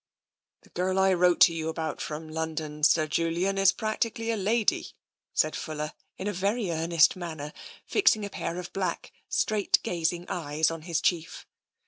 '* The girl I wrote to you about from London, Sir Julian, is practically a lady," said Fuller, in a very earnest manner, fixing a pair of black, straight gazing eyes on his chief.